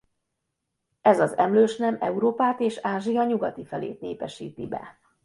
Ez az emlősnem Európát és Ázsia nyugati felét népesíti be.